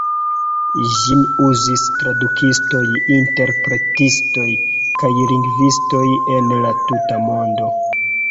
Ĝin uzis tradukistoj, interpretistoj kaj lingvistoj en la tuta mondo.